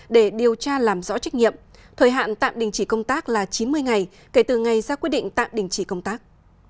để điều tra làm rõ trách nhiệm thời hạn tạm đình chỉ công tác là chín mươi ngày kể từ ngày ra quyết định tạm đình chỉ công tác